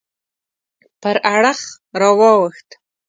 پر اړخ راواوښت.